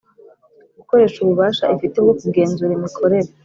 gukoresha ububasha ifite bwo kugenzura imikorere